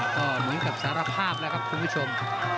ก็เหมือนกับสารภาพแล้วครับคุณผู้ชม